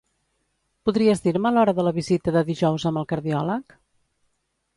Podries dir-me l'hora de la visita de dijous amb el cardiòleg?